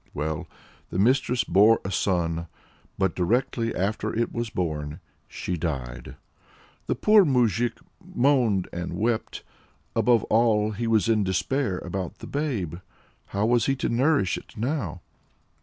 Well, the mistress bore a son, but directly after it was born she died. The poor moujik moaned and wept. Above all he was in despair about the babe. How was he to nourish it now?